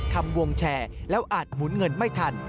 ทำวงแชร์แล้วอาจหมุนเงินไม่ทัน